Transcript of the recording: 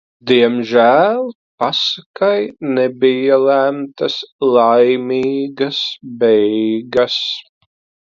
Diemžēl pasakai nebija lemtas laimīgas beigas.